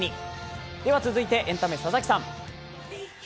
続いてエンタメ、佐々木さん。